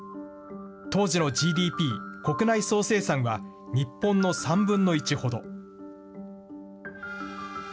当時のＧＤＰ・国内総生産は日本の３分の１ほど。